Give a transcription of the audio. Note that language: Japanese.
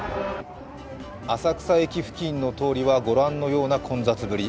浅草駅付近の通りはご覧のような混雑ぶり。